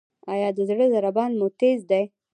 ایا د زړه ضربان مو تېز دی؟